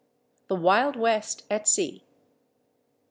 THE WILD WEST AT SEA.